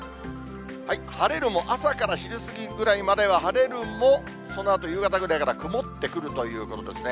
晴れるも、朝から昼過ぎくらいまでは晴れるも、そのあと夕方ぐらいから曇ってくるということですね。